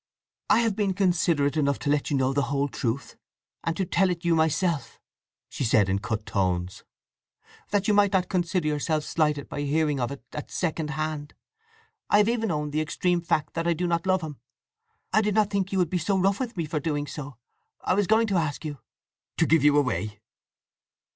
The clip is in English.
"I have been considerate enough to let you know the whole truth, and to tell it you myself," she said in cut tones; "that you might not consider yourself slighted by hearing of it at second hand. I have even owned the extreme fact that I do not love him. I did not think you would be so rough with me for doing so! I was going to ask you…" "To give you away?"